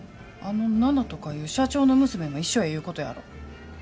あの奈々とかいう社長の娘も一緒やいうことやろ？